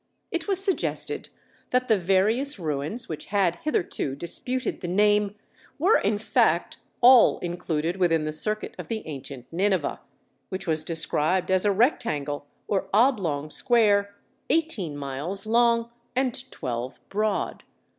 It was suggested that the various ruins, which had hitherto disputed the name, were in fact all included within the circuit of the ancient Nineveh, which was described as a rectangle, or oblong square, eighteen miles long and twelve broad.